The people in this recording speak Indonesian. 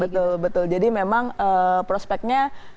betul betul jadi memang prospeknya